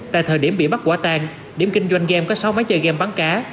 tại thời điểm bị bắt quả tang điểm kinh doanh game có sáu máy chơi game bắn cá